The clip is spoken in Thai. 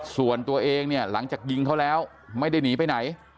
ส่วนตัวเองเนี่ยหลังจากยิงเขาแล้วไม่ได้หนีไปไหน